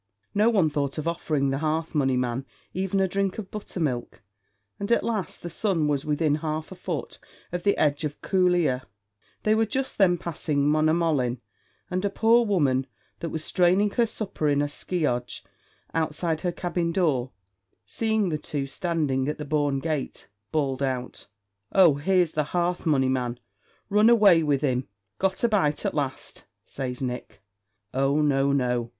No one thought of offering the hearth money man even a drink of buttermilk, and at last the sun was within half a foot of the edge of Cooliagh. They were just then passing Monamolin, and a poor woman that was straining her supper in a skeeoge outside her cabin door, seeing the two standing at the bawn gate, bawled out, "Oh, here's the hearth money man run away wid him." "Got a bite at last," says Nick. "Oh, no, no!